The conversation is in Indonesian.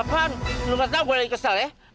apaan lu nggak tau gua lagi kesel ya